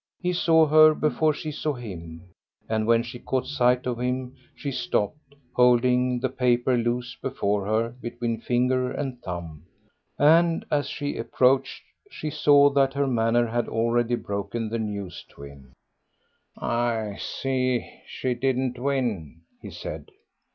He saw her before she saw him, and when she caught sight of him she stopped, holding the paper loose before her between finger and thumb, and as she approached she saw that her manner had already broken the news to him. "I see that she didn't win," he said.